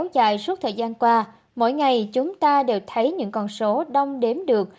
dài suốt thời gian qua mỗi ngày chúng ta đều thấy những con số đông đếm được